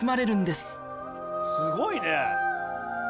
すごいね。